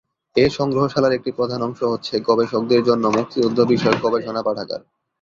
এ সংগ্রহশালার একটি প্রধান অংশ হচ্ছে গবেষকদের জন্য মুক্তিযুদ্ধ বিষয়ক গবেষণা পাঠাগার।